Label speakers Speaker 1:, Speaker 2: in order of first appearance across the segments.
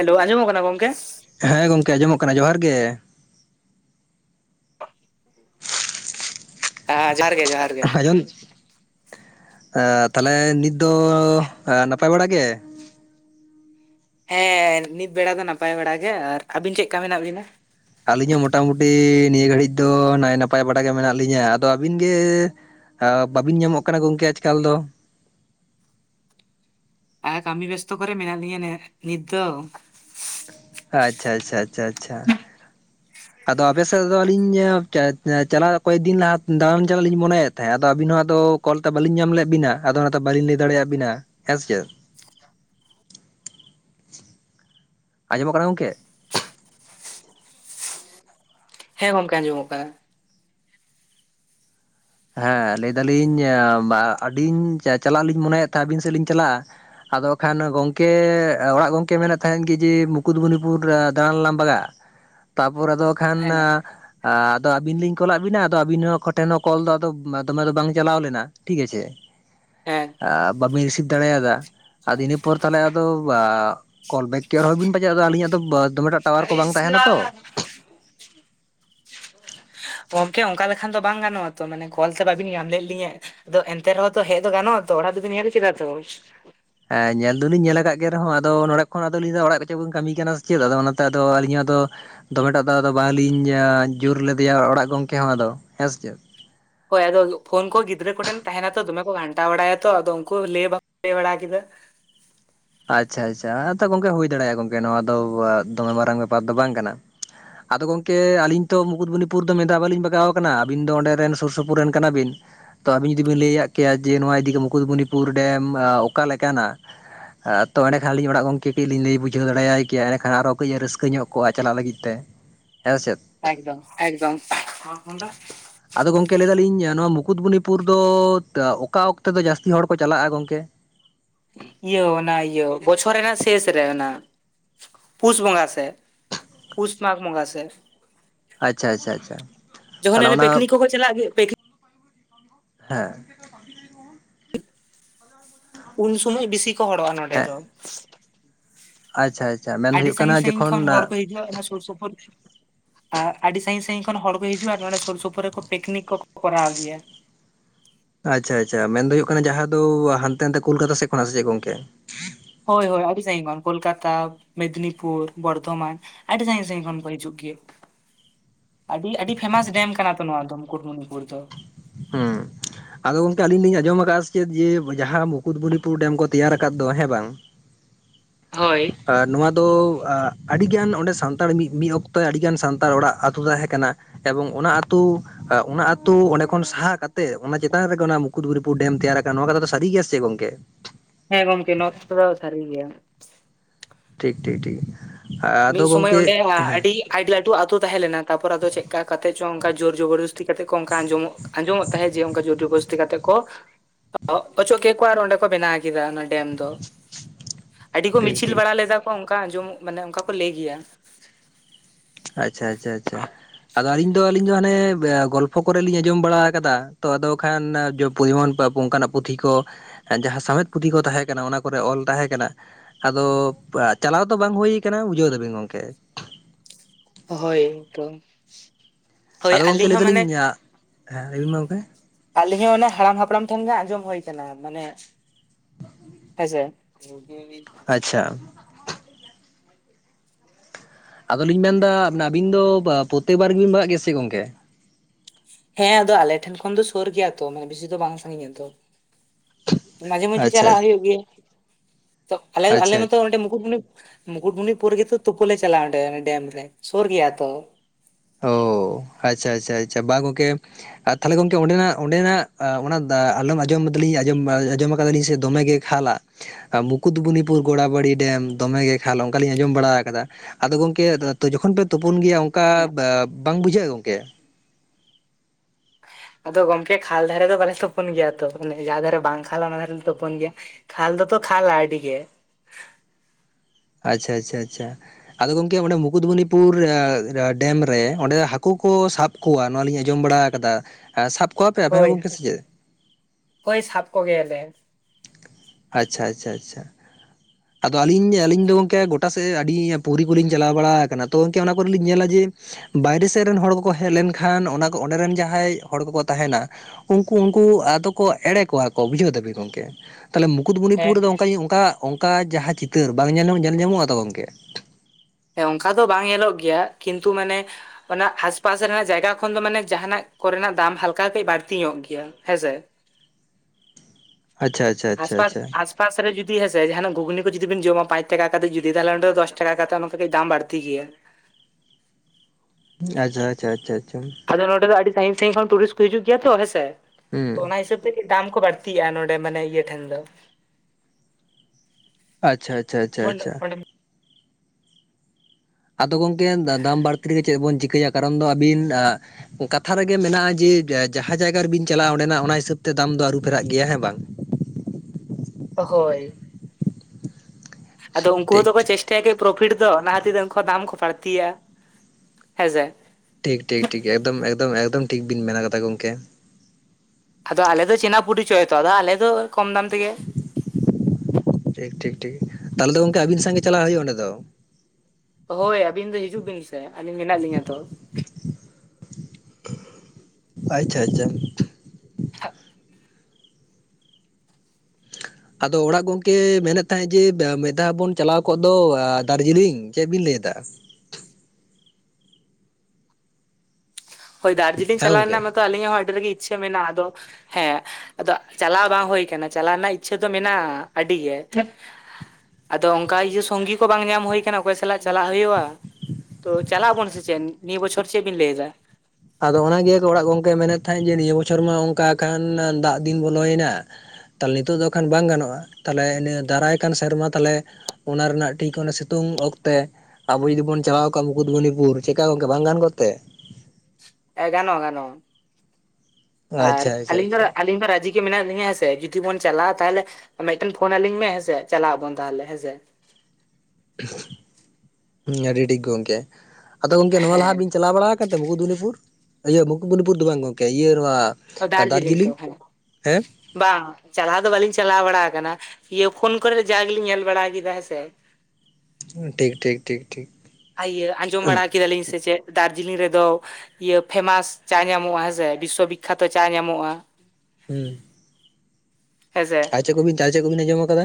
Speaker 1: Hello ᱟᱸᱡᱚᱢᱚᱜ ᱠᱟᱱᱟ ᱜᱚᱝᱠᱮ
Speaker 2: ᱦᱮᱸ ᱜᱚᱝᱠᱮ ᱟᱸᱡᱚᱢᱚᱜ ᱠᱟᱱᱟ ᱡᱚᱦᱟᱨ ᱜᱮ
Speaker 1: ᱦᱮᱸ ᱡᱚᱦᱟᱨ ᱜᱮ ᱡᱚᱦᱟᱨ ᱜᱮ
Speaker 2: [unintelligible] ᱛᱟᱦᱞᱮ ᱱᱤᱛ ᱫᱚ ᱱᱟᱯᱟᱭ ᱵᱟᱲᱟ ᱜᱮ
Speaker 1: ᱦᱮᱸ ᱱᱤᱛ ᱵᱮᱲᱟ ᱫᱚ ᱱᱟᱯᱟᱭ ᱵᱟᱲᱟ ᱜᱮ ᱟᱨ ᱟᱹᱵᱤᱱ ᱪᱮᱫ ᱞᱮᱠᱟ ᱢᱮᱱᱟᱜ ᱵᱤᱱᱟ
Speaker 2: ᱟᱹᱞᱤᱧ ᱦᱚᱸ ᱢᱚᱴᱟᱢᱩᱴᱤ ᱱᱤᱭᱟᱹ ᱜᱷᱟᱹᱲᱤᱡ ᱫᱚ ᱱᱟᱭ ᱱᱟᱯᱟᱭ ᱵᱟᱲᱟ ᱜᱮ ᱢᱮᱱᱟᱜ ᱞᱤᱧᱟᱹ ᱟᱫᱚ ᱟᱹᱵᱤᱱ ᱜᱮ ᱵᱟᱹᱵᱤᱱ ᱧᱟᱢᱚᱜ ᱠᱟᱱᱟ ᱜᱚᱝᱠᱮ ᱟᱡᱽ ᱠᱟᱞ ᱫᱚ
Speaker 1: ᱟᱨ ᱠᱟᱹᱢᱤ ᱵᱮᱥᱛᱚ ᱠᱚᱨᱮ ᱢᱮᱱᱟᱜ ᱞᱤᱧᱟᱹ ᱱᱤᱛ ᱫᱚ
Speaker 2: ᱟᱪᱪᱷᱟ ᱟᱪᱪᱷᱟ ᱟᱪᱪᱷᱟ ᱟᱪᱪᱷᱟ ᱟᱪᱪᱷᱟ ᱟᱫᱚ ᱟᱯᱮᱥᱮᱫ ᱫᱚ ᱟᱞᱤᱧ ᱪᱟᱞᱟᱜ ᱠᱚᱭᱮᱠ ᱫᱤᱱ ᱞᱟᱦᱟ ᱫᱟᱬᱟᱱ ᱪᱟᱞᱟᱜ ᱞᱤᱧ ᱢᱚᱱᱮᱭᱮᱫ ᱭᱟᱦᱮᱸᱫ ᱛᱟᱦᱮᱸ ᱟᱫᱚ ᱟᱵᱤᱱ ᱦᱚᱸ ᱟᱫᱚ ᱠᱚᱞᱛᱮ ᱵᱟᱹᱞᱤᱧ ᱧᱟᱢ ᱞᱮᱫ ᱵᱤᱱᱟ ᱟᱫᱚ ᱚᱱᱟᱛᱮ ᱵᱟᱞᱤᱧ ᱞᱟᱹᱭ ᱫᱟᱲᱮᱭᱟᱜ ᱵᱤᱱᱟ ᱦᱮᱸ ᱥᱮ ᱪᱮᱫ ᱟᱸᱡᱚᱢᱚᱜ ᱠᱟᱱᱟ ᱜᱚᱝᱠᱮ
Speaker 1: ᱦᱮᱸ ᱜᱚᱝᱠᱮ ᱟᱸᱡᱚᱢᱚᱜ ᱠᱟᱱᱟ
Speaker 2: ᱦᱮᱸ ᱞᱟᱹᱭ ᱫᱟᱞᱤᱧ ᱟᱹᱞᱤᱧ ᱪᱟᱞᱟᱜ ᱞᱤᱧ ᱢᱚᱱᱮᱭᱮᱫ ᱛᱟᱦᱮᱸᱜ-ᱟᱹᱵᱤᱱ ᱥᱮᱫ ᱞᱤᱧ ᱪᱟᱞᱟᱜᱼᱟ ᱟᱫᱚ ᱠᱷᱟᱱ ᱜᱚᱝᱠᱮ ᱚᱲᱟᱜ ᱜᱚᱝᱠᱮ ᱢᱮᱱᱮᱫ ᱛᱟᱦᱮᱱ ᱜᱮ ᱡᱮ ᱢᱩᱠᱩᱫᱢᱩᱱᱤᱯᱩᱨ ᱫᱟᱬᱟᱱ ᱞᱟᱝ ᱵᱟᱜᱟᱜ-ᱟ ᱛᱟᱯᱚᱨ ᱟᱫᱚ ᱠᱷᱟᱱ
Speaker 1: ᱦᱮᱸ
Speaker 2: ᱟ ᱟᱹᱵᱤᱱ ᱞᱤᱧ ᱠᱚᱞᱟᱜ ᱵᱤᱱᱟ ᱟᱫᱚ ᱟᱵᱤᱱ ᱦᱚ ᱠᱚᱴᱷᱮᱱ ᱦᱚ ᱠᱚᱞ ᱫᱚ ᱫᱚᱢᱮ ᱫᱚ ᱵᱟᱝ ᱪᱟᱞᱟᱣ ᱞᱮᱱᱟ ᱴᱷᱤᱠ ᱟᱪᱷᱮ
Speaker 1: ᱦᱮᱸ
Speaker 2: ᱟᱻ ᱵᱟᱹᱵᱤᱱ ᱨᱤᱥᱤᱵᱷ ᱫᱟᱲᱮᱭᱟᱫᱟ ᱟᱫᱚ ᱤᱱᱟ ᱯᱚᱨ ᱛᱟᱦᱞᱮ ᱟᱫᱚ ᱠᱚᱞ ᱵᱮᱠ ᱟᱨᱦᱚᱸ ᱵᱤᱱ ᱵᱟᱡᱟᱣᱮᱫ-ᱟ ᱟᱹᱞᱤᱧᱟᱜ ᱫᱚ ᱫᱚᱢᱮ ᱴᱟᱜ ᱴᱟᱣᱟᱨ ᱠᱚ ᱵᱟᱝ ᱛᱟᱦᱮᱱᱟ ᱛᱚ
Speaker 1: ᱜᱚᱢᱠᱮ ᱚᱝᱠᱟ ᱞᱮᱠᱷᱟᱱ ᱫᱚ ᱵᱟᱝ ᱜᱟᱱᱚᱜᱼᱟ ᱛᱚ ᱫᱚ ᱮᱱᱛᱮ ᱨᱮᱦᱚ ᱛᱚ ᱦᱮᱡ ᱫᱚ ᱜᱟᱱᱚᱜ-ᱟ ᱛᱚ ᱚᱲᱟᱜ ᱫᱚᱵᱤᱱ ᱧᱮᱞ ᱠᱮᱫᱟ ᱛᱚ
Speaker 2: ᱮ ᱧᱮᱞ ᱫᱚᱞᱤᱧ ᱧᱮᱞ ᱟᱠᱟᱫ ᱜᱮ ᱨᱮᱦᱚ ᱟᱫᱚ ᱱᱚᱸᱰᱮ ᱠᱷᱚᱱᱟᱜ ᱚᱲᱟᱜ ᱨᱮᱪᱚ ᱵᱤᱱ ᱠᱟᱹᱢᱤ ᱠᱟᱱᱟ ᱪᱮᱫ ᱟᱫᱚ ᱚᱱᱟᱛᱮ ᱟᱫᱚ ᱟᱹᱞᱤᱧ ᱦᱚ ᱟᱫᱚ ᱫᱚᱢᱮᱴᱟᱜ ᱫᱚ ᱟᱫᱚ ᱵᱟᱝᱞᱤᱧ ᱡᱳᱨ ᱞᱮᱫᱮᱭᱟ ᱚᱲᱟᱜ ᱜᱚᱝᱠᱮ ᱦᱚ ᱟᱫᱚ ᱦᱮ ᱥᱮ ᱪᱮᱫ
Speaker 1: ᱛᱚ ᱟᱡᱨᱫᱱᱦᱳᱭ ᱟᱫᱚ ᱯᱷᱳᱱ ᱠᱚ ᱜᱤᱫᱽᱨᱟᱹ ᱠᱚᱴᱷᱮᱱ ᱛᱟᱦᱮᱱᱟᱛᱚ ᱫᱚᱢᱮ ᱠᱚ ᱜᱷᱟᱱᱴᱟ ᱵᱟᱲᱟᱭᱟᱛᱚ ᱟᱫᱚ ᱩᱱᱠᱩ ᱞᱟᱹᱭ ᱵᱟᱠᱚ ᱞᱟᱹᱭ ᱵᱟᱲᱟ ᱠᱮᱫᱟ
Speaker 2: ᱟᱪᱪᱷᱟ ᱟᱪᱪᱷᱟ ᱜᱚᱝᱠᱮ ᱦᱩᱭ ᱫᱟᱲᱮᱭᱟᱜᱼᱟ ᱜᱚᱝᱠᱮ ᱱᱚᱣᱟ ᱫᱚ ᱫᱚᱢᱮ ᱢᱟᱨᱟᱝ ᱵᱮᱯᱟᱨ ᱫᱚ ᱵᱟᱝ ᱠᱟᱱᱟ ᱟᱫᱚ ᱜᱚᱝᱠᱮ ᱟᱹᱞᱤᱧ ᱛᱚ ᱢᱩᱠᱩᱫᱢᱩᱱᱤᱯᱩᱨ ᱫᱚ ᱢᱤᱫ ᱫᱷᱟᱣ ᱵᱟᱹᱞᱤᱧ ᱵᱟᱜᱟᱣ ᱟᱠᱟᱱᱟ ᱟᱹᱵᱤᱱ ᱫᱚ ᱚᱸᱰᱮ ᱨᱮᱱ ᱥᱩᱨ ᱥᱩᱯᱩᱨ ᱨᱮᱱ ᱠᱟᱱᱟ ᱵᱤᱱ ᱛᱚ ᱟᱵᱤᱱ ᱡᱩᱫᱤ ᱵᱤᱱ ᱞᱟᱹᱭ ᱟᱜ ᱠᱮᱭᱟ ᱡᱮ ᱱᱚᱣᱟ ᱤᱫᱤ ᱢᱩᱠᱩᱫᱢᱩᱱᱤᱯᱩᱨ ᱰᱮᱢ ᱚᱠᱟᱞᱮᱠᱱᱟᱜ ᱛᱚ ᱮᱰᱮᱠᱷᱟᱱ ᱟᱹᱞᱤᱧ ᱚᱲᱟᱜ ᱜᱚᱢᱠᱮ ᱠᱮ ᱞᱟᱹᱭ ᱵᱡᱷᱟᱹᱣ ᱫᱟᱲᱮ ᱟᱭ ᱠᱮᱭᱟ ᱟᱨ ᱠᱟᱹᱡ ᱨᱟᱹᱠᱟᱹ ᱧᱚᱜ ᱠᱚᱣᱟᱜ ᱪᱟᱞᱟᱜ ᱞᱟᱹᱜᱤᱫ ᱛᱮ ᱦᱮᱸᱥᱮᱫ
Speaker 1: ᱮᱠᱫᱚᱢ ᱮᱠᱫᱚᱢ
Speaker 2: ᱟᱫᱚ ᱜᱚᱝᱠᱮ ᱞᱟᱹᱭ ᱮᱫᱟᱞᱤᱧ ᱱᱚᱣᱟ ᱢᱩᱠᱩᱴᱢᱩᱱᱤᱯᱩᱨ ᱫᱚ ᱚᱠᱟ ᱚᱠᱛᱮ ᱫᱚ ᱡᱟᱹᱥᱛᱤ ᱦᱚᱲ ᱠᱚ ᱪᱟᱞᱟᱜᱼᱟ ᱜᱚᱝᱠᱮ?
Speaker 1: ᱤᱭᱟᱹ ᱚᱱᱟ ᱤᱭᱟᱹ ᱵᱚᱪᱷᱚᱨ ᱨᱮᱱᱟᱜ ᱥᱮᱥ ᱨᱮ ᱚᱱᱟ ᱯᱩᱥ ᱵᱚᱸᱜᱟ ᱥᱮᱫ ᱯᱩᱥ ᱢᱟᱜᱽ ᱵᱚᱸᱜᱟ ᱥᱮᱫ [unintelligible]
Speaker 2: ᱟᱪᱪᱷᱟ ᱟᱪᱪᱷᱟ ᱟᱪᱪᱷᱟ
Speaker 1: ᱡᱚᱠᱷᱚᱱ
Speaker 2: ᱛᱟᱦᱚᱞᱮ
Speaker 1: [unintelligible]
Speaker 2: ᱚᱱᱟ
Speaker 1: ᱯᱤᱠᱱᱤᱠ ᱠᱚᱠᱚ ᱪᱟᱞᱟᱜ ᱜᱮ [unintelligible]
Speaker 2: ᱦᱮᱸ᱾
Speaker 1: ᱩᱱ ᱥᱚᱢᱚᱭ ᱵᱮᱥᱤ ᱠᱚ ᱦᱚᱲᱚᱜᱼᱟ ᱱᱚᱰᱮ
Speaker 2: ᱦᱮᱸ
Speaker 1: ᱫᱚ᱾
Speaker 2: ᱟᱪᱪᱷᱟ ᱟᱪᱪᱷᱟ᱾ ᱢᱮᱱ ᱫᱚ ᱦᱩᱭᱩᱜ ᱠᱟᱱᱟ ᱡᱚᱠᱷᱚᱱ
Speaker 1: ᱦᱳᱭ ᱚᱱᱟ ᱥᱩᱨ ᱥᱩᱯᱩᱨ ᱟᱨ ᱟᱹᱰᱤ ᱥᱟᱹᱜᱤᱧ ᱥᱟᱹᱜᱤᱧ ᱠᱷᱚᱱᱟᱜ ᱦᱚᱲ ᱠᱚ ᱦᱤᱡᱩᱜ-ᱟ ᱟᱨ ᱱᱚᱰᱮ ᱥᱩᱨ ᱥᱩᱯᱩᱨ ᱨᱮ ᱠᱚ ᱯᱤᱠᱱᱤᱠ ᱠᱚ ᱠᱚᱨᱟᱣ ᱜᱮᱭᱟ᱾
Speaker 2: ᱟᱪᱪᱷᱟ ᱟᱪᱪᱷᱟ᱾ ᱢᱮᱱ ᱫᱚ ᱦᱩᱭᱩᱜ ᱠᱟᱱᱟ ᱡᱟᱦᱟᱸ ᱫᱚ ᱦᱟᱱᱛᱮ ᱱᱟᱛᱮ ᱠᱞᱠᱟᱛᱟ ᱥᱮᱡ ᱠᱷᱚᱱᱟᱜ ᱥᱮ ᱪᱮᱫ ᱜᱚᱝᱠᱮ?
Speaker 1: ᱦᱳᱭ ᱦᱳᱭ ᱟᱹᱰᱤ ᱥᱟᱜᱤᱧ ᱠᱷᱚᱱ ᱠᱳᱞᱠᱟᱛᱟ ᱢᱮᱫᱽᱱᱤᱯᱩᱨ ᱵᱚᱨᱫᱷᱚᱢᱟᱱ ᱟᱹᱰᱤ ᱥᱟᱹᱜᱤᱧ ᱥᱟᱹᱜᱤᱧ ᱠᱷᱚᱱ ᱠᱚ ᱦᱤᱡᱩᱜ ᱜᱮᱭᱟ᱾ ᱟᱹᱰᱤ ᱟᱹᱰᱤ ᱯᱷᱮᱢᱟᱥ ᱰᱮᱢ ᱠᱟᱱᱟ ᱛᱚ ᱱᱚᱶᱟ ᱫᱚ ᱢᱩᱠᱩᱴᱢᱩᱱᱤᱯᱩᱨ ᱫᱚ᱾
Speaker 2: ᱦᱩᱸ᱾ ᱟᱫᱚ ᱜᱚᱝᱠᱮ ᱟᱞᱤᱧ ᱞᱤᱧ ᱟᱸᱡᱚᱢ ᱟᱠᱟᱫᱼᱟ ᱥᱮᱪᱮᱫ ᱡᱮ ᱡᱟᱦᱟ ᱢᱩᱠᱩᱴ ᱢᱩᱱᱤᱯᱩᱨ ᱰᱮᱢ ᱠᱚ ᱛᱮᱭᱟᱨ ᱟᱠᱟᱫ ᱫᱚ ᱦᱮᱸ ᱵᱟᱝ [unintelligible]
Speaker 1: ᱦᱳᱭ᱾
Speaker 2: ᱟᱨ ᱱᱚᱣᱟ ᱫᱚ ᱟᱹᱰᱤᱜᱟᱱ ᱚᱸᱰᱮ ᱥᱟᱱᱛᱟᱲ ᱢᱤᱫ [unintelligible] ᱚᱠᱛᱚ ᱟᱹᱰᱤᱜᱟᱱ ᱥᱟᱱᱛᱟᱲ ᱚᱲᱟᱜ ᱟᱹᱛᱩ ᱛᱟᱦᱮ ᱠᱟᱱᱟ᱾ ᱮᱵᱚᱝ ᱚᱱᱟ ᱟᱹᱛᱩ [unintelligible] [unintelligible] ᱚᱸᱰᱮ ᱠᱷᱚᱱ ᱥᱟᱦᱟ ᱠᱟᱛᱮᱫ ᱚᱱᱟ ᱪᱮᱛᱟᱱ ᱨᱮᱜᱮ ᱚᱱᱟ ᱢᱩᱠᱩᱴᱢᱚᱱᱤᱯᱩᱨ ᱰᱮᱢ ᱛᱮᱭᱟᱨ ᱟᱠᱟᱱᱟ ᱱᱚᱣᱟ ᱠᱟᱛᱷᱟ ᱫᱚ ᱥᱟᱹᱨᱤ ᱜᱮᱭᱟ ᱥᱮ ᱜᱚᱝᱠᱮ?
Speaker 1: ᱦᱮ ᱜᱚᱝᱠᱮ ᱱᱚᱣᱟ ᱠᱟᱛᱷᱟ ᱫᱚ ᱥᱟᱹᱨᱤ ᱜᱮᱭᱟ᱾
Speaker 2: ᱴᱷᱤᱠ ᱴᱷᱤᱠ ᱴᱷᱤᱠ᱾ ᱟᱫᱚ
Speaker 1: ᱢᱤᱫ ᱥᱚᱢᱚᱭ
Speaker 2: ᱜᱚᱢᱠᱮ,
Speaker 1: ᱚᱸᱰᱮ
Speaker 2: ᱦᱮᱸ
Speaker 1: ᱟᱹᱰᱤ ᱟᱹᱰᱤ ᱞᱟᱹᱴᱩ ᱟᱛᱳ ᱛᱟᱦᱮᱸ ᱞᱮᱱᱟ ᱛᱟᱯᱚᱨ ᱟᱫᱚ ᱪᱮᱫ ᱞᱮᱠᱟ ᱠᱟᱛᱮᱫ ᱪᱚ ᱚᱱᱠᱟ ᱡᱳᱨ ᱡᱚᱵᱚᱨ ᱡᱚᱥᱛᱤ ᱠᱟᱛᱮᱫ ᱠᱚ ᱚᱱᱠᱟ ᱟᱸᱡᱚᱢ ᱟᱸᱡᱚᱢᱚᱜ ᱛᱟᱦᱮᱸ ᱡᱮ ᱚᱱᱠᱟ ᱡᱳᱨᱡᱚᱵᱚᱥᱛᱤ ᱠᱟᱛᱮᱫ ᱠᱚ ᱚᱪᱚᱜ ᱠᱮᱫ ᱠᱚᱣᱟ ᱟᱨ ᱚᱸᱰᱮ ᱠᱚ ᱵᱮᱱᱟᱣ ᱠᱮᱫᱟ ᱚᱱᱟ ᱰᱮᱢ ᱫᱚ ᱟᱹᱰᱤ ᱠᱚ
Speaker 2: ᱴᱷᱤᱠ
Speaker 1: ᱢᱤᱪᱷᱤᱞ
Speaker 2: ᱴᱷᱤᱠ
Speaker 1: ᱵᱟᱲᱟ ᱞᱮᱫᱟ ᱚᱱᱠᱟ ᱟᱸᱡᱚᱢᱚᱜ ᱢᱟᱱᱮ ᱚᱱᱠᱟ ᱠᱚ ᱞᱟᱹᱭ ᱜᱮᱭᱟ᱾
Speaker 2: ᱟᱪᱪᱷᱟ ᱟᱪᱪᱷᱟ ᱟᱪᱪᱷᱟ᱾ ᱟᱫᱚ ᱟᱹᱞᱤᱧ ᱫᱚ ᱟᱹᱞᱤᱧ ᱫᱚ ᱦᱟᱱᱮ ᱜᱚᱞᱯᱚ ᱠᱚᱨᱮ ᱞᱤᱧ ᱟᱸᱡᱚᱢ ᱵᱟᱲᱟ ᱟᱠᱟᱫᱟ ᱛᱚ ᱟᱫᱚ ᱠᱷᱟᱱ ᱯᱚᱨᱤᱢᱟᱱ ᱚᱱᱠᱟᱱᱟᱜ ᱯᱩᱛᱷᱤ ᱠᱚ ᱡᱟᱦᱟ ᱥᱟᱶᱦᱮᱫ ᱯᱩᱛᱷᱤ ᱠᱚ ᱛᱟᱦᱮ ᱠᱟᱱᱟ ᱚᱱᱟ ᱠᱚᱨᱮ ᱚᱞ ᱛᱟᱦᱮ ᱠᱟᱱᱟ ᱟᱫᱚ ᱪᱟᱞᱟᱣ ᱫᱚ‌ ᱵᱟᱝ ᱦᱩᱭ ᱠᱟᱱᱟ ᱵᱩᱡᱷᱟᱹᱣ ᱮᱫᱟᱵᱤᱱ ᱜᱚᱢᱠᱮ
Speaker 1: ᱦᱳᱭ ᱛᱚ᱾ ᱦᱳᱭ
Speaker 2: ᱟᱫᱚ ᱜᱚᱝᱠᱮ
Speaker 1: ᱟᱹᱞᱤᱧ
Speaker 2: ᱞᱟᱹᱭ
Speaker 1: ᱦᱚᱸ ᱢᱟᱱᱮ
Speaker 2: ᱮᱫᱟᱞᱤᱧ, ᱦᱮᱸ ᱞᱟᱹᱭᱵᱤᱱ ᱢᱟ ᱜᱚᱝᱠᱮ
Speaker 1: ᱟᱹᱞᱤᱧ ᱦᱚᱸ ᱚᱱᱟ ᱦᱟᱲᱟᱢ ᱦᱟᱯᱲᱟᱢ ᱴᱷᱮᱱ ᱜᱮ ᱟᱸᱡᱚᱢ ᱦᱳᱭ ᱠᱟᱱᱟ ᱢᱟᱱᱮ ᱟᱪᱷᱟ [unintelligible]
Speaker 2: ᱟᱪᱪᱷᱟ ᱾
Speaker 1: [unintelligible]
Speaker 2: ᱟᱫᱚᱞᱤᱧ ᱢᱮᱱ ᱮᱫᱟ ᱟᱹᱵᱤᱱ ᱫᱚ ᱯᱨᱚᱛᱮᱠᱵᱟᱨ ᱜᱮᱵᱤᱱ ᱵᱟᱜᱟᱜ ᱜᱮᱭᱟ ᱥᱮ ᱜᱚᱝᱠᱮ?
Speaker 1: ᱦᱮᱸ ᱟᱫᱚ ᱟᱞᱮ ᱴᱷᱮᱱ ᱠᱷᱚᱱ ᱫᱚ ᱥᱳᱨ ᱜᱮᱭᱟ ᱛᱚ ᱢᱟᱱᱮ ᱵᱮᱥᱤ ᱫᱚ ᱵᱟᱝ ᱥᱟᱜᱤᱧ ᱟᱛᱚ᱾ ᱢᱟᱡᱷᱮ ᱢᱚᱫᱽᱫᱷᱮ
Speaker 2: ᱟᱪᱪᱷᱟ
Speaker 1: ᱪᱟᱞᱟᱜ ᱦᱩᱭᱩᱜ ᱜᱮᱭᱟ, ᱛᱚ ᱟᱞᱮ
Speaker 2: ᱟᱪᱪᱷᱟ
Speaker 1: [unintelligible]
Speaker 2: ᱟᱪᱪᱷᱟ
Speaker 1: ᱢᱟᱛᱚ ᱚᱸᱰᱮ ᱢᱩᱠᱩᱴᱢᱩᱱᱤ ᱢᱩᱠᱩᱴᱢᱩᱱᱤᱯᱩᱨ ᱜᱮᱛᱚ ᱛᱩᱯᱩ ᱞᱮ ᱪᱟᱞᱟᱜᱼᱟ ᱚᱸᱰᱮ ᱰᱮᱢ ᱨᱮ ᱥᱳᱨ ᱜᱮᱭᱟ ᱛᱚ ᱾
Speaker 2: ᱳ ᱟᱪᱪᱷᱟ ᱟᱪᱪᱷᱟ ᱟᱪᱪᱷᱟ ᱵᱟᱝ ᱜᱚᱢᱠᱮ ᱟᱨ ᱛᱟᱦᱚᱞᱮ ᱜᱚᱝᱠᱮ ᱚᱸᱰᱮᱱᱟᱜ [unintelligible] ᱚᱱᱟ [unintelligible] ᱟᱸᱡᱚᱢ ᱫᱚᱞᱤᱧ ᱟᱸᱡᱚᱢ ᱟᱸᱡᱚᱢ ᱟᱠᱟᱫᱟ ᱞᱤᱧ ᱥᱮ ᱫᱚᱢᱮᱜᱮ ᱠᱷᱟᱞ-ᱟ ᱢᱩᱠᱩᱴᱢᱩᱱᱤᱯᱩᱨ ᱜᱚᱲᱟᱵᱟᱹᱲᱤ ᱰᱮᱢ ᱫᱚᱢᱮᱜᱮ ᱠᱷᱟᱞᱟ ᱚᱱᱠᱟᱞᱤᱧ ᱟᱸᱡᱚᱢ ᱵᱟᱲᱟ ᱟᱠᱟᱫᱟ ᱾ ᱟᱫᱚ ᱜᱚᱝᱠᱮ ᱡᱚᱠᱷᱚᱱ ᱯᱮ ᱛᱳᱯᱳᱱ ᱜᱮᱭᱟ
Speaker 1: ᱦᱮᱸ
Speaker 2: ᱚᱱᱠᱟ
Speaker 1: ᱾
Speaker 2: ᱵᱟᱝ ᱵᱩᱡᱷᱟᱹᱜᱼᱟ ᱜᱚᱝᱠᱮ
Speaker 1: ᱟᱫᱚ ᱜᱚᱝᱠᱮ ᱠᱷᱟᱞ ᱫᱷᱟᱨᱮ ᱫᱚ ᱵᱟᱞᱮ ᱛᱳᱯᱳᱱ ᱜᱮᱭᱟ ᱛᱚ, ᱡᱟᱦᱟᱸ ᱫᱷᱟᱨᱮ ᱵᱟᱝ ᱠᱷᱟᱞ-ᱟ ᱚᱱᱟ ᱫᱷᱟᱨᱮ ᱞᱮ ᱛᱳᱯᱳᱱ ᱜᱮᱭᱟ ᱾ ᱠᱷᱟᱞ ᱫᱚ ᱛᱚ ᱠᱷᱟᱞ-ᱟ ᱟᱹᱰᱤ ᱜᱮ ᱾
Speaker 2: ᱟᱪᱪᱷᱟ ᱟᱪᱪᱷᱟ ᱟᱪᱪᱷᱟ ᱾ ᱟᱫᱚ ᱜᱚᱝᱠᱮ ᱚᱸᱰᱮ ᱢᱩᱠᱩᱴᱢᱩᱱᱤᱯᱩᱨ ᱰᱮᱢ ᱨᱮ ᱚᱸᱰᱮ ᱦᱟᱹᱠᱩ ᱠᱚ ᱥᱟᱵ ᱠᱚᱣᱟ ᱱᱚᱣᱟ ᱞᱤᱧ ᱟᱸᱡᱚᱢ ᱵᱟᱲᱟ ᱟᱠᱟᱫᱟ, ᱥᱟᱵ ᱠᱚᱣᱟᱯᱮ ᱟᱯᱮ ᱦᱚᱸ
Speaker 1: ᱦᱳᱭ
Speaker 2: ᱜᱚᱝᱠᱮ ᱥᱮ ᱪᱮᱫ?
Speaker 1: ᱦᱳᱭ ᱥᱟᱵ ᱠᱚ ᱜᱮᱭᱟᱞᱮ ᱾
Speaker 2: ᱟᱪᱪᱷᱟ ᱟᱪᱪᱷᱟ ᱟᱪᱪᱷᱟ ᱾ ᱟᱫᱚ ᱟᱹᱞᱤᱧ ᱟᱞᱤᱧ ᱫᱚ ᱜᱚᱝᱠᱮ ᱜᱚᱴᱟ ᱥᱮᱫ ᱟᱹᱰᱤ ᱯᱩᱨᱤ ᱠᱚᱞᱤᱧ ᱪᱟᱞᱟᱣ ᱵᱟᱲᱟ ᱟᱠᱟᱱᱟ, ᱛᱚ ᱜᱚᱝᱠᱮ ᱚᱱᱟ ᱠᱚᱨᱮ ᱞᱤᱧ ᱧᱮᱞᱟ ᱡᱮ ᱵᱟᱭᱨᱮ ᱥᱮᱫ ᱨᱮᱱ ᱦᱚᱲ ᱠᱚᱠᱚ ᱦᱮᱡ ᱞᱮᱱᱠᱷᱟᱱ ᱚᱱᱟ ᱠᱚ ᱚᱸᱰᱮᱨᱮᱱ ᱡᱟᱦᱟᱸᱭ ᱦᱚᱲ ᱠᱚᱠᱚ ᱛᱟᱦᱮᱱᱟ ᱩᱱᱠᱩ ᱩᱱᱠᱩ ᱟᱫᱚ ᱠᱚ ᱮᱲᱮ ᱠᱚᱣᱟ ᱠᱚ ᱵᱩᱡᱷᱟᱹᱣ ᱫᱟᱹᱵᱤᱡ ᱜᱚᱢᱠᱮ ᱾ ᱛᱟᱦᱚᱞᱮ ᱢᱩᱠᱩᱴᱢᱩᱱᱤᱯᱩᱨ
Speaker 1: ᱦᱮᱸ
Speaker 2: ᱨᱮᱫᱚ ᱚᱱᱠᱟᱧ ᱚᱱᱠᱟ ᱚᱱᱠᱟ ᱡᱟᱦᱟᱸ ᱪᱤᱛᱟᱹᱨ ᱵᱟᱝ ᱧᱮᱞ ᱧᱮᱞ ᱧᱟᱢᱚᱜᱼᱟ ᱛᱚ ᱜᱚᱝᱠᱮ?
Speaker 1: ᱦᱮᱸ ᱚᱱᱠᱟ ᱫᱚ ᱵᱟᱝ ᱧᱮᱞᱚᱜ ᱜᱮᱭᱟ ᱠᱤᱱᱛᱩ ᱢᱟᱱᱮ ᱚᱱᱟ ᱟᱥᱯᱟᱥ ᱨᱮᱱᱟᱜ ᱡᱟᱭᱜᱟ ᱠᱷᱚᱱ ᱫᱚ ᱢᱟᱱᱮ ᱡᱟᱦᱟᱸᱱᱟᱜ ᱠᱚᱨᱮᱱᱟᱜ ᱫᱟᱢ ᱦᱟᱞᱠᱟ ᱠᱟᱹᱡ ᱵᱟᱹᱲᱛᱤ ᱧᱚᱜ ᱜᱮᱭᱟ ᱾ ᱦᱮᱸ ᱥᱮ
Speaker 2: ᱟᱪᱪᱷᱟ ᱾
Speaker 1: ᱟᱥᱯᱟᱥ ᱟᱥ ᱯᱟᱥ ᱨᱮ ᱡᱩᱫᱤ ᱦᱮᱸ ᱥᱮ ᱡᱟᱦᱟᱱᱟᱜ ᱜᱷᱩᱜᱽᱱᱤ ᱠᱚ ᱡᱩᱫᱤ ᱵᱤᱱ ᱡᱚᱢ-ᱟ ᱯᱟᱸᱪ ᱴᱟᱠᱟ ᱠᱟᱛᱮ ᱡᱩᱫᱤ ᱛᱟᱦᱚᱞᱮ ᱚᱸᱰᱮ ᱫᱚᱥ ᱴᱟᱠᱟ ᱠᱟᱛᱮᱫ ᱚᱱᱛᱮ ᱠᱟᱹᱡ ᱫᱟᱢ ᱵᱟᱹᱲᱛᱤ ᱜᱮᱭᱟ ᱾
Speaker 2: ᱟᱪᱪᱷᱟ ᱟᱪᱪᱷᱟ ᱟᱪᱪᱷᱟ ᱟᱪᱪᱷᱟ ᱾
Speaker 1: ᱟᱫᱚ ᱱᱚᱸᱰᱮ ᱫᱚ ᱟᱹᱰᱤ ᱥᱟᱺᱜᱤᱧ ᱥᱟᱺᱜᱤᱧ ᱠᱷᱚᱱ ᱴᱩᱨᱤᱥᱴ ᱠᱚ ᱦᱤᱡᱩᱜ ᱜᱮᱭᱟ ᱛᱚ ᱦᱮᱸ ᱥᱮ,
Speaker 2: ᱦᱩᱸ
Speaker 1: ᱛᱚ ᱚᱱᱟ ᱦᱤᱥᱟᱹᱵᱽ ᱛᱮ ᱫᱟᱢ ᱠᱚ ᱵᱟᱹᱲᱛᱤᱜᱼᱟ ᱱᱚᱰᱮ ᱢᱟᱱᱮ ᱤᱭᱟᱹ ᱴᱷᱮᱱ ᱫᱚ
Speaker 2: ᱟᱪᱪᱷᱟ ᱟᱪᱷᱟ ᱟᱪᱷᱟ ᱟᱪᱷᱟ ᱾ ᱟᱫᱚ ᱜᱚᱝᱠᱮ ᱫᱟᱢ ᱵᱟᱹᱲᱛᱤ ᱨᱮᱜᱮ ᱪᱮᱫ ᱵᱚᱱ ᱪᱤᱠᱟᱹᱭᱟ ᱠᱟᱨᱚᱱ ᱫᱚ ᱟᱹᱵᱤᱱ ᱠᱟᱛᱷᱟ ᱨᱮᱜᱮ ᱢᱮᱱᱟᱜᱼᱟ ᱡᱮ ᱡᱟᱦᱟᱸ ᱡᱟᱭᱜᱟ ᱨᱮᱵᱤᱱ ᱪᱟᱞᱟᱜᱼᱟ ᱚᱸᱰᱮᱱᱟᱜ ᱚᱱᱟ ᱦᱤᱥᱟᱹᱵ ᱛᱮ ᱫᱟᱢ ᱫᱚ ᱟᱹᱨᱩ ᱯᱷᱮᱨᱟᱜ ᱜᱮᱭᱟ ᱦᱮᱸ ᱵᱟᱝ
Speaker 1: ᱦᱳᱭ ᱾ ᱟᱫᱚ ᱩᱱᱠᱩ ᱦᱚᱸ
Speaker 2: ᱴᱷᱤᱠ
Speaker 1: ᱫᱚ ᱠᱚ ᱪᱮᱥ ᱟᱠᱚ ᱯᱨᱚᱯᱷᱤᱴ ᱫᱚ ᱚᱱᱟ ᱛᱮ ᱩᱱᱠᱩ ᱫᱟᱢ ᱠᱚ ᱵᱟᱹᱲᱛᱤᱭᱟ ᱦᱮᱸᱥᱮ
Speaker 2: ᱴᱷᱤᱠ ᱴᱷᱤᱠ ᱴᱷᱤᱠ ᱮᱠᱫᱚᱢ ᱮᱠᱫᱚᱢ ᱮᱠᱫᱚᱢ ᱴᱷᱤᱠ ᱵᱤᱱ ᱢᱮᱱ ᱟᱠᱟᱫᱟ ᱜᱚᱢᱠᱮ ᱾
Speaker 1: ᱟᱫᱚ ᱟᱞᱮ ᱫᱚ ᱪᱮᱱᱟ ᱯᱚᱨᱤᱪᱚᱭᱟ ᱛᱚ ᱟᱫᱚ ᱟᱞᱮ ᱫᱚ ᱠᱚᱢ ᱫᱟᱢ ᱛᱮᱜᱮ
Speaker 2: [inaudible] ᱴᱷᱤᱠ ᱴᱷᱤᱠ ᱴᱷᱤᱠ ᱛᱟᱦᱞᱮ ᱫᱚ ᱜᱚᱝᱠᱮ ᱟᱹᱵᱤᱱ ᱥᱟᱶ ᱜᱮ ᱪᱟᱞᱟᱜ ᱦᱩᱭᱩᱜᱼᱟ ᱚᱸᱰᱮ ᱫᱚ ᱾
Speaker 1: ᱦᱳᱭ ᱟᱹᱵᱤᱱ ᱫᱚ ᱦᱤᱡᱩᱜ ᱵᱤᱱ ᱥᱮ ᱟᱹᱞᱤᱧ ᱢᱮᱱᱟᱜ ᱞᱤᱧᱟᱹ ᱛᱚ᱾
Speaker 2: [inaudible] ᱟᱪᱪᱷᱟ ᱟᱪᱪᱷᱟ ᱾ ᱟᱫᱚ ᱚᱲᱟᱜ ᱜᱚᱝᱠᱮ ᱢᱮᱱᱮᱫ ᱛᱟᱦᱮᱸᱫ, ᱡᱮ ᱢᱤᱫ ᱫᱷᱟᱣ ᱵᱚᱱ ᱪᱟᱞᱟᱣ ᱠᱚᱜ ᱫᱚ ᱫᱟᱨᱡᱤᱞᱤᱝ ᱪᱮᱫ ᱵᱤᱱ ᱞᱟᱹᱭ ᱮᱫᱟ?
Speaker 1: ᱦᱳᱭ ᱫᱟᱨᱡᱤᱞᱤᱝ
Speaker 2: ᱦᱮᱸ
Speaker 1: ᱪᱟᱞᱟᱣ
Speaker 2: ᱜᱚᱝᱠᱮ
Speaker 1: ᱨᱮᱱᱟᱜ ᱢᱟ ᱛᱚ ᱟᱹᱞᱤᱧ ᱦᱚᱸ ᱟᱹᱰᱤ ᱨᱟᱹᱜᱤ ᱤᱪᱷᱟ ᱢᱮᱱᱟᱜ-ᱟ ᱟᱫᱚ ᱦᱮᱸ ᱟᱫᱚ ᱪᱟᱞᱟᱣ ᱵᱟᱝ ᱦᱩᱭ ᱠᱟᱱᱟ ᱪᱟᱞᱟᱣ ᱨᱮᱱᱟᱜ ᱤᱪᱪᱷᱟᱹ ᱫᱚ ᱢᱮᱱᱟᱜᱼᱟ ᱟᱹᱰᱤᱜᱮ ᱟᱫᱚ ᱚᱱᱠᱟ ᱤᱭᱟᱹ ᱥᱚᱝᱜᱤ ᱠᱚ ᱵᱟᱝ ᱧᱟᱢ ᱦᱳᱭ ᱟᱠᱟᱱᱟ ᱚᱠᱚᱭ ᱥᱟᱞᱟᱜ ᱪᱟᱞᱟᱜ ᱦᱩᱭᱩᱜᱼᱟ? ᱛᱚ ᱪᱟᱞᱟᱜ ᱟᱵᱚᱱ ᱥᱮ ᱪᱮᱫ ᱱᱤᱭᱟᱹ ᱵᱚᱪᱷᱚᱨ ᱥᱮ ᱪᱮᱫ ᱵᱤᱱ ᱞᱟᱹᱭ ᱮᱫᱟ?
Speaker 2: ᱟᱫᱚ ᱚᱲᱟᱜ ᱜᱮ ᱚᱲᱟᱜ ᱜᱚᱝᱠᱮ ᱢᱮᱱᱮᱫ ᱛᱟᱦᱮᱸᱫ ᱡᱮ ᱱᱤᱭᱟᱹ ᱵᱚᱪᱷᱚᱨ ᱢᱟ ᱚᱱᱠᱟ ᱠᱷᱟᱱ ᱫᱟᱜ ᱫᱤᱱ ᱵᱚᱞᱚᱭᱮᱱᱟ ᱾ ᱛᱟᱦᱚᱞᱮ ᱱᱤᱛᱚᱜ ᱫᱚ ᱠᱷᱟᱱ ᱵᱟᱝ ᱜᱟᱱᱚᱜᱼᱟ ᱛᱟᱦᱚᱞᱮ ᱱᱤᱭᱟᱹ ᱫᱟᱨᱟᱭ ᱠᱟᱱᱟ ᱥᱮᱨᱢᱟ ᱛᱟᱦᱚᱞᱮ ᱚᱱᱟ ᱨᱮᱱᱟᱜ ᱴᱷᱤᱠ ᱚᱱᱟ ᱥᱤᱛᱩᱝ ᱚᱠᱛᱮ ᱟᱵᱚ ᱡᱩᱫᱤ ᱵᱚ ᱪᱟᱞᱟᱣ ᱠᱚ ᱢᱩᱠᱩᱴᱢᱩᱱᱤᱯᱩᱨ ᱪᱮ ᱠᱟ ᱜᱚᱝᱠᱮ ᱵᱟᱝ ᱜᱟᱱ ᱠᱚᱛᱮ
Speaker 1: ᱦᱮᱜᱟᱱᱚᱜᱼᱟ ᱜᱟᱱᱚᱜᱼᱟ ᱟᱨ
Speaker 2: ᱟᱪᱪᱷᱟ ᱟᱪᱪᱷᱟ
Speaker 1: ᱟᱹᱞᱤᱧ ᱫᱚ
Speaker 2: ᱟᱪᱪᱷᱟ
Speaker 1: ᱟᱹᱞᱤᱧ ᱫᱚ ᱨᱟᱹᱡᱤ ᱪᱤ ᱢᱮᱱᱟᱜ ᱞᱤᱧᱟ ᱦᱮᱸᱥ ᱡᱩᱫᱤ ᱵᱚᱱ ᱪᱟᱞᱟᱜᱼᱟ ᱛᱟᱦᱚᱞᱮ ᱢᱤᱫᱴᱮᱱ ᱯᱷᱳᱱ ᱟᱞᱤᱧ ᱢᱮ ᱦᱮᱸᱥᱮ ᱪᱟᱞᱟᱜ ᱟᱵᱚᱱ ᱛᱟᱦᱚᱞᱮ ᱦᱮᱸᱥᱮ
Speaker 2: ᱦᱮᱸ ᱟᱹᱰᱤ ᱴᱷᱤᱠ ᱜᱮ ᱜᱚᱝᱠᱮ ᱟᱫᱚ ᱜᱚᱝᱠᱮ ᱱᱚᱣᱟ ᱞᱟᱦᱟ
Speaker 1: ᱦᱮᱸ
Speaker 2: ᱵᱤᱱ ᱪᱟᱞᱟᱣ ᱵᱟᱲᱟ ᱢᱩᱠᱩᱴᱢᱩᱱᱤᱯᱩᱨ ᱤᱭᱟᱹ ᱢᱩᱠᱩᱴᱢᱩᱱᱤᱯᱩᱨ ᱫᱚ ᱵᱟᱝ ᱜᱚᱝᱠᱮ ᱤᱭᱟᱹᱮ ᱱᱚᱣᱟ ᱫᱟᱨᱡᱤᱞᱤᱝ
Speaker 1: ᱛᱚ ᱦᱮᱸ
Speaker 2: ᱦᱮᱸ
Speaker 1: ᱵᱟᱝ ᱪᱟᱞᱟᱣ ᱫᱚ ᱵᱟᱹᱞᱤᱧ ᱪᱟᱞᱟᱣ ᱵᱟᱲᱟ ᱟᱠᱟᱱᱟ ᱤᱭᱟᱹ ᱯᱷᱳᱱ ᱠᱚᱨᱮ ᱡᱟ ᱜᱮᱞᱤᱧ ᱧᱮᱞ ᱵᱟᱲᱟ ᱠᱮᱫᱟ ᱦᱮᱸ ᱥᱮ
Speaker 2: ᱴᱷᱤᱠ ᱴᱷᱤᱠ ᱴᱷᱤᱠ ᱴᱷᱤᱠ
Speaker 1: ᱤᱭᱟᱹ ᱟᱸᱡᱚᱢ ᱵᱟᱲᱟ ᱠᱮᱫᱟᱞᱤᱧ ᱥᱮ ᱪᱮᱫ ᱫᱟᱨᱡᱤᱞᱤᱝ ᱨᱮᱫᱚ ᱤᱭᱟᱹ ᱯᱷᱮᱢᱟᱥ ᱪᱟ ᱧᱟᱢᱚᱜᱼᱟ ᱦᱮᱸᱥᱮ ᱵᱤᱥᱥᱚ ᱵᱤᱠᱠᱷᱟᱛᱚ ᱪᱟ ᱧᱟᱢᱚᱜᱼᱟ ᱾
Speaker 2: ᱦᱮᱸ
Speaker 1: ᱦᱮᱸ ᱥᱮ
Speaker 2: ᱪᱮᱫ ᱠᱚᱵᱤᱱ ᱟᱨ ᱪᱮᱫ ᱠᱚᱵᱤᱱ ᱟᱸᱡᱚᱢ ᱟᱠᱟᱫᱟ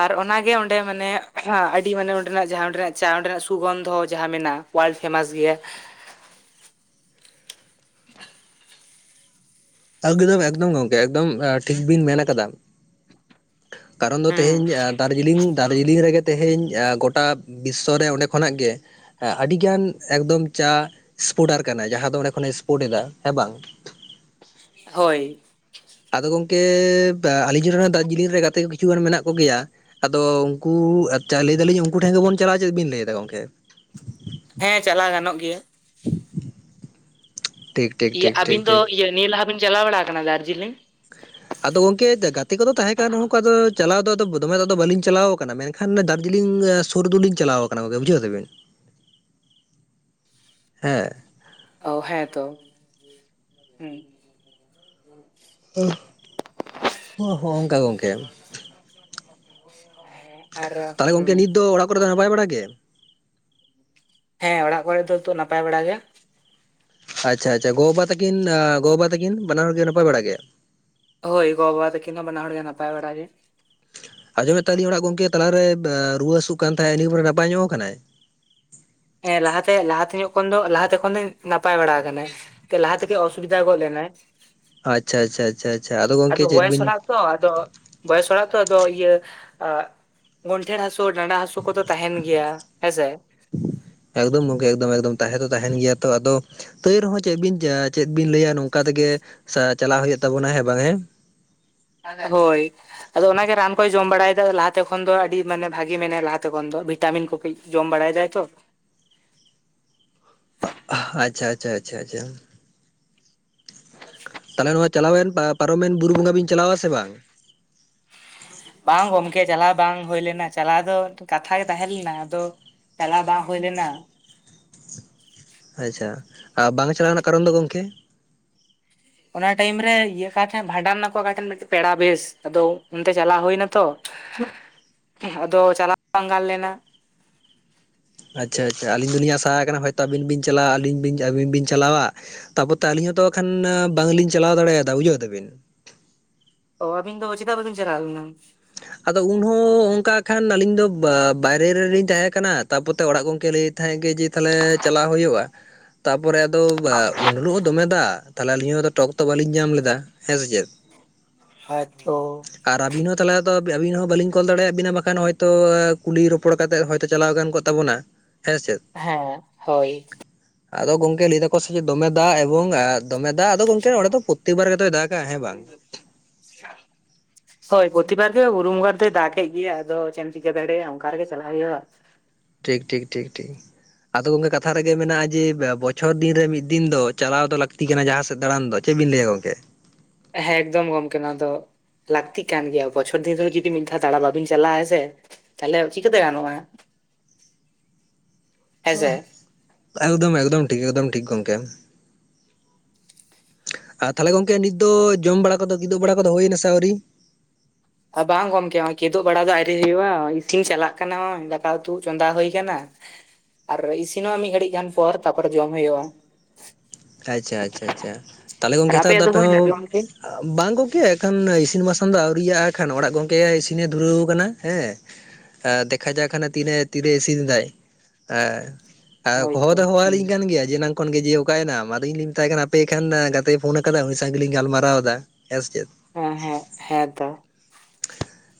Speaker 1: ᱟᱨ ᱚᱱᱟ ᱜᱮ ᱚᱸᱰᱮ ᱢᱟᱱᱮ ᱟᱹᱰᱤ ᱢᱟᱱᱮ ᱚᱸᱰᱮᱱᱟᱜ ᱡᱟᱦᱟᱸ ᱚᱸᱰᱮᱱᱟᱜ ᱪᱟ ᱚᱸᱰᱮᱱᱟᱜ ᱥᱩᱜᱚᱱᱫᱷᱚ ᱡᱟᱦᱟᱸ ᱢᱮᱱᱟᱜᱼᱟ ᱾ ᱵᱟᱭ ᱯᱷᱮᱢᱟᱥ ᱜᱮᱭᱟ᱾
Speaker 2: ᱮᱠᱫᱚᱢ ᱮᱠᱫᱚᱢ ᱜᱚᱝᱠᱮ ᱮᱠᱫᱚᱢ ᱴᱷᱤᱠ ᱵᱤᱱ ᱢᱮᱱ ᱟᱠᱟᱫᱟ ᱾ ᱠᱟᱨᱚᱱ ᱫᱚ ᱛᱮᱦᱮᱧ ᱫᱟᱨᱡᱤᱞᱤᱝ ᱫᱟᱨᱡᱤᱞᱤᱝ ᱨᱮᱜᱮ ᱛᱮᱦᱮᱧ ᱜᱚᱴᱟ ᱵᱤᱥᱥᱚ ᱨᱮ ᱚᱸᱰᱮ ᱠᱷᱚᱱᱟᱜ ᱜᱮ ᱦᱮ ᱟᱹᱰᱤ ᱜᱟᱱ ᱮᱠᱫᱚᱢ ᱪᱟ ᱥᱯᱳᱨᱴᱟᱨ ᱠᱟᱱᱟᱭ ᱡᱟᱦᱟᱸ ᱫᱚ ᱚᱸᱰᱮ ᱠᱷᱚᱱᱮ ᱮ ᱥᱯᱳᱨᱴ ᱮᱫᱟ᱾ ᱦᱮᱸ ᱵᱟᱝ?
Speaker 1: ᱦᱳᱭ᱾
Speaker 2: ᱟᱫᱚ ᱜᱚᱝᱠᱮ ᱟᱞᱤᱧ ᱨᱮᱱ ᱦᱚᱸ ᱫᱟᱨᱡᱤᱞᱤᱝ ᱨᱮ ᱜᱟᱛᱮ ᱠᱚ ᱠᱤᱪᱷᱩ ᱜᱟᱱ ᱢᱮᱱᱟᱜ ᱠᱚᱜᱮᱭᱟ᱾ ᱟᱫᱚ ᱩᱱᱠᱩ ᱟᱪᱪᱷᱟ ᱞᱟᱹᱭ ᱫᱟᱞᱤᱧ ᱩᱱᱠᱩ ᱴᱷᱮᱱ ᱜᱮᱵᱚᱱ ᱪᱟᱞᱟᱜᱼᱟ ᱪᱮᱫ ᱵᱤᱱ ᱞᱟᱹᱭᱫᱟ ᱜᱚᱝᱠᱮ᱾
Speaker 1: ᱦᱮᱸ ᱪᱟᱞᱟᱣ ᱜᱟᱱᱚᱜ ᱜᱮᱭᱟ᱾
Speaker 2: ᱴᱷᱤᱠ᱾ ᱴᱷᱤᱠ
Speaker 1: ᱤᱭᱟᱹ
Speaker 2: ᱴᱷᱤᱠ ᱴᱷᱤᱠ
Speaker 1: ᱟᱹᱵᱤᱱ ᱫᱚ
Speaker 2: ᱴᱷᱤᱠ
Speaker 1: ᱤᱭᱟᱹ ᱱᱤᱭᱟᱹ ᱞᱟᱦᱟ ᱵᱤᱱ ᱪᱟᱞᱟᱣ ᱵᱟᱲᱟ ᱠᱟᱱᱟ ᱫᱟᱨᱡᱤᱞᱤᱝ?
Speaker 2: ᱟᱫᱚ ᱜᱚᱝᱠᱮ ᱜᱟᱛᱮ ᱠᱚᱫᱚ ᱛᱟᱦᱮᱸ ᱠᱟᱱ ᱨᱮᱦᱚᱸ ᱠᱚ ᱫᱚ ᱪᱟᱞᱟᱣ ᱫᱚ ᱫᱚᱢᱮ ᱫᱷᱟ ᱫᱚ ᱵᱟᱹᱞᱤᱧ ᱪᱟᱞᱟᱣ ᱟᱠᱟᱱᱟ ᱢᱮᱱ ᱮᱱᱠᱷᱟᱱ ᱫᱟᱨᱡᱤᱞᱤᱝ ᱥᱩᱨ ᱫᱚ ᱞᱤᱧ ᱪᱟᱞᱟᱣ ᱟᱠᱟᱱᱟ ᱜᱚᱝᱠᱮ ᱵᱩᱡᱷᱟᱹᱣ ᱫᱟᱵᱮᱱ ᱦᱮᱸ᱾
Speaker 1: ᱚ ᱦᱮᱸ ᱛᱚ ᱦᱩᱸ᱾
Speaker 2: ᱦᱚᱸ ᱦᱚᱸ ᱚᱱᱠᱟ ᱜᱚᱝᱠᱮ᱾
Speaker 1: [inaudible]
Speaker 2: ᱛᱟᱦᱚᱞᱮ ᱜᱚᱝᱠᱮ
Speaker 1: ᱦᱩᱸ
Speaker 2: ᱱᱤᱛ ᱫᱚ ᱚᱲᱟᱜ ᱠᱚᱨᱮ ᱫᱚ ᱱᱟᱯᱟᱭ ᱵᱟᱲᱟ ᱜᱮ?
Speaker 1: ᱦᱮᱸ ᱚᱲᱟᱜ ᱠᱚᱨᱮ ᱫᱚ ᱛᱚ ᱱᱟᱯᱟᱭ ᱵᱟᱲᱟ ᱜᱮ᱾
Speaker 2: ᱟᱪᱪᱷᱟ ᱟᱪᱪᱷᱟ ᱜᱚᱼᱵᱟ ᱛᱟᱠᱤᱱ ᱜᱚ ᱵᱟᱵᱟ ᱛᱟᱹᱠᱤᱱ ᱵᱟᱱᱟ ᱦᱚᱲ ᱜᱮ ᱱᱟᱯᱟᱭ ᱵᱟᱲᱟ ᱜᱮ?
Speaker 1: ᱦᱳᱭ ᱜᱚ ᱵᱟ ᱛᱟᱹᱠᱤᱱ ᱵᱟᱱᱟ ᱦᱚᱲ ᱜᱮ ᱱᱟᱯᱟᱭ ᱵᱟᱲᱟ ᱜᱮ᱾
Speaker 2: ᱟᱡᱚᱢᱮᱫ ᱛᱟᱦᱮ ᱞᱤᱧ ᱚᱲᱟᱜ ᱜᱚᱝᱠᱮ ᱛᱟᱞᱟᱨᱮ ᱨᱩᱣᱟᱹ ᱦᱟᱹᱥᱩᱜ ᱠᱟᱱ ᱛᱟᱦᱮᱸᱜ ᱱᱟᱜ ᱯᱚᱨᱮ ᱱᱟᱯᱟᱭ ᱧᱚᱜ ᱟᱠᱟᱱᱟᱭ?
Speaker 1: ᱦᱮᱸ ᱞᱟᱦᱟᱛᱮ ᱞᱟᱦᱟᱛᱮ ᱧᱚᱜ ᱠᱷᱚᱱ ᱫᱚ ᱞᱟᱦᱟᱛᱮ ᱠᱷᱚᱱ ᱫᱚᱣ ᱱᱟᱯᱟᱭ ᱵᱟᱲᱟ ᱟᱠᱟᱱᱟᱭ᱾ ᱞᱟᱦᱟ ᱛᱮᱜᱮ ᱚᱥᱩᱵᱤᱫᱷᱟ ᱜᱚᱫ ᱞᱮᱱᱟᱭ᱾
Speaker 2: ᱟᱪᱪᱷᱟ ᱪᱷᱟ-ᱪᱷᱟ-ᱪᱷᱟ ᱟᱫᱚ ᱜᱚᱝᱠᱮ ᱪᱮᱫ
Speaker 1: ᱵᱚᱭᱮᱥ
Speaker 2: ᱵᱤᱱ?
Speaker 1: ᱦᱚᱲᱟᱜ ᱛᱚ ᱟᱫᱚ ᱵᱚᱭᱮᱥ ᱦᱚᱲᱟᱜ ᱛᱚ ᱟᱫᱚ ᱤᱭᱟᱹ ᱜᱚᱱᱴᱷᱮ ᱦᱟᱹᱥᱩ ᱰᱟᱸᱰᱟ ᱦᱟᱹᱥᱩ ᱠᱚ ᱫᱚ ᱛᱟᱦᱮᱱ ᱜᱮᱭᱟ᱾ ᱦᱮᱸᱥᱮ?
Speaker 2: ᱮᱠᱫᱚᱢ ᱜᱚᱝᱠᱮ ᱮᱠᱫᱚᱢ ᱮᱠᱫᱚᱢ ᱛᱟᱦᱮᱸ ᱫᱚ ᱛᱟᱦᱮᱱ ᱜᱮᱭᱟ ᱛᱚ ᱟᱫᱚ ᱛᱟᱹᱣ ᱨᱮᱦᱚᱸ ᱪᱮᱫ ᱵᱤᱱ ᱡᱟ ᱪᱮᱫ ᱵᱤᱱ ᱞᱟᱹᱭᱟ ᱱᱚᱝᱠᱟ ᱛᱮᱜᱮ ᱥᱟ ᱪᱟᱞᱟᱣ ᱦᱩᱭᱩᱜ ᱛᱟᱵᱚᱱᱟ᱾ ᱦᱮᱸ ᱵᱟᱝ ᱦᱮᱸ?
Speaker 1: ᱦᱳᱭ᱾ ᱟᱫᱚ ᱚᱱᱟᱜᱮ ᱨᱟᱱ ᱠᱚᱭ ᱡᱚᱢ ᱵᱟᱲᱟᱭᱮᱫᱟ ᱞᱟᱦᱟᱛᱮ ᱠᱷᱚᱱ ᱫᱚ ᱟᱹᱰᱤ ᱢᱟᱱᱮ ᱵᱷᱟᱜᱤ ᱢᱮᱱᱟᱭᱟ ᱞᱟᱦᱟᱛᱮ ᱠᱷᱚᱱ ᱫᱚ ᱵᱷᱤᱴᱟᱢᱤᱱ ᱠᱚ ᱠᱟᱹᱡ ᱡᱚᱢ ᱵᱟᱲᱟᱭ ᱫᱟᱭ ᱛᱚ᱾
Speaker 2: ᱟᱪᱪᱷᱟ ᱟᱪᱪᱷᱟ ᱟᱪᱪᱷᱟ ᱟᱪᱪᱷᱟ᱾ ᱛᱟᱦᱚᱞᱮ ᱱᱚᱣᱟ ᱪᱟᱞᱟᱣᱮᱱ ᱯᱟᱼᱯᱟᱨᱚᱢᱮᱱ ᱵᱩᱨᱩ ᱵᱚᱸᱜᱟ ᱵᱤᱱ ᱪᱟᱞᱟᱣᱟ ᱥᱮ ᱵᱟᱝ?
Speaker 1: ᱵᱟᱝ ᱜᱚᱢᱠᱮ ᱪᱟᱞᱟᱣ ᱵᱟᱝ ᱦᱳᱭ ᱞᱮᱱᱟ ᱪᱟᱞᱟᱣ ᱫᱚ ᱠᱟᱛᱷᱟ ᱜᱮ ᱛᱟᱦᱮᱸ ᱞᱮᱱᱟ ᱟᱫᱚ ᱪᱟᱞᱟ ᱵᱟᱸᱝ ᱦᱳᱭ ᱞᱮᱱᱟ᱾
Speaker 2: ᱟᱪᱪᱷᱟ ᱟ ᱵᱟᱝ ᱪᱟᱞᱟᱜ ᱨᱮᱱᱟᱜ ᱠᱟᱨᱚᱱ ᱫᱚ ᱜᱚᱢᱠᱮ?
Speaker 1: ᱚᱱᱟ ᱴᱟᱭᱤᱢ ᱨᱮ ᱤᱭᱟᱹ ᱠᱚᱴᱷᱮᱱ ᱵᱷᱟᱸᱰᱟᱱ ᱱᱟᱠᱚ ᱚᱠᱟᱴᱷᱮᱱ ᱢᱤᱫᱴᱮᱡ ᱯᱮᱲᱟ ᱵᱮᱥ ᱟᱫᱚ ᱚᱱᱛᱮ ᱪᱟᱞᱟᱣ ᱦᱩᱭᱱᱟ ᱛᱚ ᱟᱫᱚ ᱪᱟᱞᱟᱣ ᱵᱟᱝ ᱜᱟᱱ ᱞᱮᱱᱟ᱾
Speaker 2: ᱟᱪᱪᱷᱟ ᱟᱪᱪᱷᱟ ᱟᱹᱞᱤᱧ ᱫᱚᱞᱤᱧ ᱟᱥᱟ ᱟᱠᱟᱱᱟ ᱦᱚᱭᱛᱚ ᱟᱹᱵᱤᱱ ᱵᱤᱱ ᱪᱟᱞᱟᱜᱼᱟ ᱟᱹᱞᱤᱧ ᱵᱤᱱ ᱟᱹᱵᱤᱱ ᱵᱤᱱ ᱪᱟᱞᱟᱣᱟ᱾ ᱛᱟᱯᱚᱨ ᱛᱚ ᱟᱹᱞᱤᱧ ᱦᱚᱸᱛᱚ ᱮᱠᱷᱟᱱ ᱵᱟᱝᱞᱤᱧ ᱪᱟᱞᱟᱣ ᱫᱟᱲᱮᱭᱟᱫᱟ ᱵᱩᱡᱷᱟᱹᱣ ᱫᱟᱹᱵᱤᱱ᱾
Speaker 1: ᱚ ᱟᱵᱤᱱ ᱫᱚ ᱪᱮᱫᱟ ᱵᱟᱹᱵᱤᱱ ᱪᱟᱞᱟ ᱞᱮᱱᱟ?
Speaker 2: ᱟᱫᱚ ᱩᱱᱦᱚᱸ ᱚᱱᱠᱟ ᱠᱷᱟᱱ ᱟᱹᱞᱤᱧ ᱫᱚ ᱵᱟᱭᱨᱮ ᱨᱮᱞᱤᱧ ᱛᱟᱦᱮᱸ ᱠᱟᱱᱟ ᱛᱟᱯᱚᱛᱮ ᱚᱲᱟᱜ ᱜᱚᱝᱠᱮ ᱞᱟᱹᱭ ᱛᱟᱦᱮᱸᱜ ᱜᱮ ᱡᱮ ᱛᱟᱦᱚᱞᱮ ᱪᱟᱞᱟᱣ ᱦᱩᱭᱩᱜᱼᱟ᱾ ᱛᱟᱯᱚᱨᱮ ᱟᱫᱚ ᱩᱱ ᱦᱤᱞᱳᱜ ᱦᱚᱸ ᱫᱚᱢᱮ ᱫᱟᱜ ᱛᱟᱦᱞᱮ ᱟᱹᱞᱤᱧ ᱦᱚᱸ ᱴᱚᱠ ᱫᱚ ᱵᱟᱹᱞᱤᱧ ᱧᱟᱢ ᱞᱮᱫᱟ᱾ ᱦᱮᱸ ᱥᱮ ᱪᱮᱫ?
Speaker 1: ᱦᱮᱸᱛᱚ᱾
Speaker 2: ᱟᱨ ᱟᱵᱤᱱ ᱦᱚᱸ ᱛᱟᱦᱞᱮ ᱟᱫᱚ ᱟᱹᱵᱤᱱ ᱦᱚᱸ ᱵᱟᱹᱞᱤᱧ ᱠᱚᱞ ᱫᱟᱲᱮᱭᱟᱜ ᱵᱤᱱᱟ ᱵᱟᱠᱷᱟᱱ ᱦᱚᱭᱛᱳ ᱠᱩᱞᱤ ᱨᱚᱯᱚᱲ ᱠᱟᱛᱮᱜ ᱦᱚᱭᱛᱚ ᱪᱟᱞᱟᱣ ᱜᱟᱱ ᱠᱚᱜ ᱛᱟᱵᱚᱱᱟ᱾ ᱦᱮᱸ ᱥᱮᱫ?
Speaker 1: ᱦᱮᱸ ᱦᱳᱭ ᱾
Speaker 2: ᱟᱫᱚ ᱜᱚᱝᱠᱮ ᱞᱟᱹᱭ ᱮᱫᱟᱠᱚ ᱥᱮ ᱪᱮᱫ ᱫᱚᱢᱮ ᱫᱟᱜ ᱮᱵᱚᱝ ᱼᱼ ᱫᱚᱢᱮ ᱫᱟᱜ ᱟᱫᱚ ᱜᱚᱝᱠᱮ ᱚᱸᱰᱮ ᱫᱚ ᱯᱚᱛᱛᱮᱠᱵᱟᱨ ᱜᱮᱛᱚᱭ ᱫᱟᱜᱼᱟ ᱦᱮᱸ ᱵᱟᱝ ᱾
Speaker 1: [unintelligible] ᱦᱳᱭ ᱯᱚᱛᱤᱵᱟᱨ ᱜᱮ ᱵᱩᱨᱩ ᱵᱚᱸᱜᱟ ᱨᱮᱫᱚᱭ ᱫᱟᱜᱮᱫ ᱜᱮᱭᱟ ᱟᱫᱚ ᱪᱮᱫ ᱮᱢ ᱪᱤᱠᱟᱹ ᱫᱟᱲᱮᱭᱟᱜᱼᱟ ᱚᱝᱠᱟ ᱨᱮᱜᱮ ᱪᱟᱞᱟᱜ ᱦᱩᱭᱩᱜᱼᱟ ᱾
Speaker 2: ᱴᱷᱤᱠ ᱴᱷᱤᱠ ᱴᱷᱤᱠ ᱴᱷᱤᱠ ᱾ ᱟᱫᱚ ᱜᱚᱝᱠᱮ ᱠᱟᱛᱷᱟ ᱨᱮᱜᱮ ᱢᱮᱱᱟᱜᱼᱟ ᱡᱮ ᱵᱚᱪᱷᱚᱨ ᱫᱤᱱ ᱨᱮ ᱢᱤᱫ ᱫᱤᱱ ᱫᱚ ᱪᱟᱞᱟᱣ ᱫᱚ ᱞᱟᱹᱠᱛᱤ ᱠᱟᱱᱟ ᱡᱟᱦᱟᱸ ᱥᱮᱫ ᱫᱟᱬᱟᱱ ᱫᱚ ᱾ ᱪᱮᱫ ᱵᱤᱱ ᱞᱟᱹᱭᱟ ᱜᱚᱝᱠᱮ?
Speaker 1: ᱦᱮᱸ ᱮᱠᱫᱚᱢ ᱜᱚᱝᱠᱮ ᱱᱚᱣᱟ ᱫᱚ ᱼᱼ ᱞᱟᱹᱠᱛᱤ ᱠᱟᱱ ᱜᱮᱭᱟ ᱵᱚᱪᱷᱚᱨ ᱫᱤᱱ ᱨᱮᱦᱚᱸ ᱡᱩᱫᱤ ᱢᱤᱫ ᱫᱷᱟᱣ ᱫᱟᱬᱟ ᱵᱟᱵᱤᱱ ᱪᱟᱞᱟᱜᱼᱟ ᱦᱮᱸ ᱥᱮ ᱾ ᱛᱟᱦᱞᱮ ᱪᱤᱠᱟᱹᱛᱮ ᱜᱟᱱᱚᱜᱼᱟ ᱾
Speaker 2: [inaudible] ᱮᱠᱫᱚᱢ ᱮᱠᱫᱚᱢ ᱴᱷᱤᱠ ᱮᱠᱫᱚᱢ ᱴᱷᱤᱠ ᱜᱚᱢᱠᱮ ᱾ ᱟᱨ ᱛᱟᱦᱞᱮ ᱜᱚᱝᱠᱮ ᱱᱤᱛ ᱫᱚ ᱡᱚᱢ ᱵᱟᱲᱟ ᱠᱚᱫᱚ ᱠᱤᱫᱳᱜ ᱵᱟᱲᱟ ᱠᱚᱫᱚ ᱦᱩᱭᱮᱱᱟ ᱥᱮ ᱟᱹᱣᱨᱤ?
Speaker 1: ᱵᱟᱝ ᱜᱚᱢᱠᱮ ᱦᱚᱸᱜᱼᱚᱭ ᱠᱮᱫᱳᱜ ᱵᱟᱲᱟ ᱫᱚ ᱟᱭᱨᱤ ᱦᱩᱭᱩᱜᱼᱟ ᱤᱥᱤᱱ ᱪᱟᱞᱟᱜ ᱠᱟᱱᱟ ᱱᱚᱭ ᱫᱟᱠᱟ ᱩᱛᱩ ᱪᱚᱸᱫᱟ ᱦᱩᱭ ᱠᱟᱱᱟ ᱾ ᱟᱨ ᱤᱥᱤᱱᱚᱜᱼᱟ ᱢᱤᱫ ᱜᱷᱟᱹᱲᱤᱡ ᱜᱟᱱ ᱯᱚᱨ ᱛᱟᱯᱚᱨᱮ ᱡᱚᱢ ᱦᱩᱭᱩᱜᱼᱟ ᱾
Speaker 2: ᱟᱪᱪᱷᱟ ᱟᱪᱪᱷᱟ ᱟᱪᱷᱟ ᱛᱟᱦᱞᱮ
Speaker 1: ᱟᱨ
Speaker 2: ᱜᱚᱝᱠᱮ ᱱᱮᱛᱟᱨ ᱫᱚ
Speaker 1: ᱟᱯᱮᱭᱟᱜ
Speaker 2: ᱟᱯᱮ
Speaker 1: ᱦᱩᱭᱱᱟ
Speaker 2: ᱦᱚᱸ
Speaker 1: ᱡᱚᱢ ᱠᱤ
Speaker 2: ᱼᱼ ᱵᱟᱝ ᱜᱚᱝᱠᱮ ᱮᱱᱠᱷᱟᱱ ᱤᱥᱤᱱ ᱵᱟᱥᱟᱝ ᱫᱚ ᱟᱹᱣᱨᱤᱭᱟᱜᱼᱟ ᱮᱠᱷᱟᱱ ᱚᱲᱟᱜ ᱜᱚᱝᱠᱮ ᱤᱥᱤᱱᱮ ᱫᱷᱩᱨᱟᱹᱣ ᱟᱠᱟᱱᱟ ᱦᱮᱸ᱾ ᱦᱮᱸ ᱫᱮᱠᱷᱟ ᱡᱟᱠ ᱦᱟᱱᱮ ᱛᱤᱨᱮ ᱛᱤᱨᱮ ᱤᱥᱤᱱ ᱮᱫᱟᱭ ᱾ ᱦᱚᱦᱚ
Speaker 1: ᱦᱳᱭᱛᱚ
Speaker 2: ᱫᱚ ᱦᱚᱦᱚ ᱟᱞᱤᱧ ᱠᱟᱱ ᱜᱮᱭᱟ ᱡᱮ ᱮᱱᱟᱝ ᱠᱷᱚᱱ ᱜᱮ ᱡᱮ ᱚᱠᱟᱭᱮᱱᱟᱢ? ᱟᱫᱚ ᱤᱧᱤᱧ ᱢᱮᱛᱟᱭ ᱠᱟᱱᱟ ᱟᱯᱮ ᱮᱱᱠᱷᱟᱱ ᱜᱟᱛᱮᱭ ᱯᱷᱳᱱ ᱟᱠᱟᱫᱟ ᱩᱱᱤ ᱥᱟᱶ ᱜᱮᱞᱤᱧ ᱜᱟᱞᱢᱟᱨᱟᱣ ᱮᱫᱟ ᱦᱮᱸ ᱥᱮ ᱪᱮᱫ?
Speaker 1: ᱦᱮᱸ ᱦᱮᱸ ᱦᱮᱸ ᱛᱚ ᱾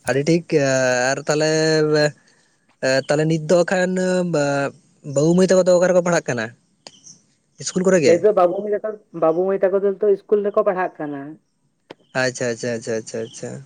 Speaker 2: ᱟᱹᱰᱤ ᱴᱷᱤᱠ ᱟᱨ ᱛᱟᱦᱞᱮᱻ ᱼᱼ ᱛᱟᱦᱞᱮ ᱱᱤᱛ ᱫᱚ ᱮᱠᱷᱟᱱ ᱵᱟᱹᱵᱩ ᱢᱟᱹᱭ ᱛᱟᱠᱚ ᱫᱚ ᱚᱠᱟ ᱨᱮᱠᱚ ᱯᱟᱲᱦᱟᱜ ᱠᱟᱱᱟ? ᱤᱥᱠᱩᱞ ᱠᱚᱨᱮ ᱜᱮ?
Speaker 1: ᱞᱟᱹᱭ ᱫᱚ ᱵᱟᱹᱵᱩ ᱢᱟᱹᱭ ᱛᱟᱠᱚ ᱵᱟᱹᱵᱩ ᱢᱟᱹᱭ ᱛᱟᱠᱚ ᱫᱚ ᱱᱤᱛᱚᱜ ᱤᱥᱠᱩᱞ ᱨᱮᱠᱚ ᱯᱟᱲᱦᱟᱜ ᱠᱟᱱᱟ ᱾
Speaker 2: ᱟᱪᱪᱷᱟ ᱟᱪᱷᱟ ᱟᱪᱪᱷᱟ ᱟᱪᱷᱟ ᱟᱪᱷᱟ ᱾